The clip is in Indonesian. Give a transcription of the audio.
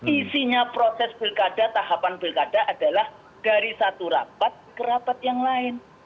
isinya proses pilkada tahapan pilkada adalah dari satu rapat ke rapat yang lain